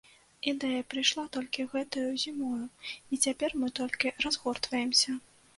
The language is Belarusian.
Ідэя прыйшла толькі гэтаю зімою і цяпер мы толькі разгортваемся.